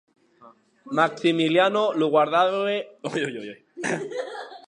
Maximiliano lo guardaue damb uelhs estonats.